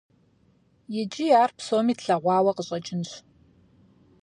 Икӏи ар псоми тлъэгъуауэ къыщӏэкӏынщ.